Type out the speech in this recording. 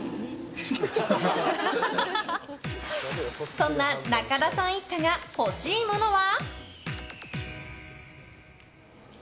そんな仲田さん一家が欲しいものは？